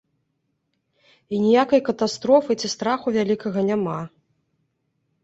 І ніякай катастрофы ці страху вялікага няма.